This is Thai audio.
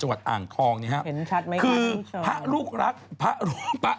ไหนอ่ะ